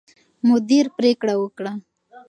مدیر پرېکړه وکړه.